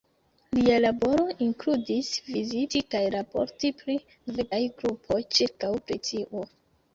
Lia laboro inkludis viziti kaj raporti pri norvegaj grupoj ĉirkaŭ Britio.